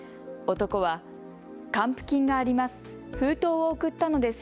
男は、還付金があります。